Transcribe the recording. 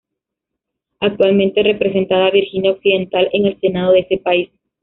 Actualmente representada a Virginia Occidental en el Senado de ese país.